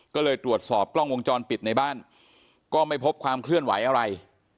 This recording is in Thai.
ก็เลยตรวจสอบกล้องวงจรปิดในบ้านก็ไม่พบความเคลื่อนไหวอะไร